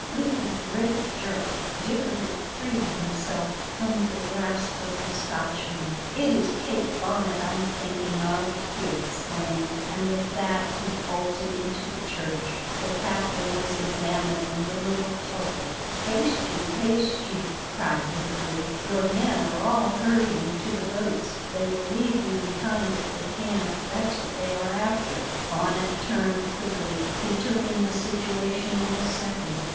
With a great jerk Dickory freed himself from the grasp of the Scotchman. "It is Kate Bonnet I am thinking of!" he exclaimed, and with that he bolted into the church. The captain was examining the little pulpit. "Haste ye! haste ye!" cried Dickory, "your men are all hurrying to the boats, they will leave you behind if they can; that's what they are after." [Illustration: "Haste ye! haste ye," cried Dickory, "they will leave you behind."] Bonnet turned quickly. He took in the situation in a second.